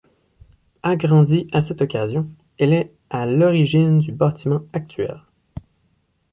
Agrandie à cette occasion, elle est à l'origine du bâtiment actuel.